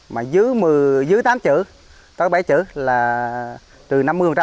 mà dưới tám chữ tới bảy chữ là từ năm mươi một trăm linh